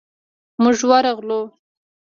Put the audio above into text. موږ ورغلو.